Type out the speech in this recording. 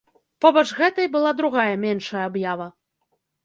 Побач гэтай была другая, меншая аб'ява.